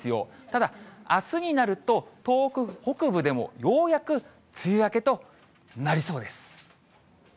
ただあすになると、東北北部でも、ようやく梅雨明けとなりそうです。